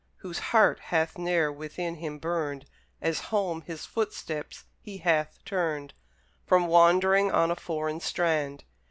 Whose heart hath ne'er within him burned, As home his footsteps he hath turned, From wandering on a foreign strand!